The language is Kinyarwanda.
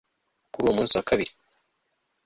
kuri uwo munsi wa kabiri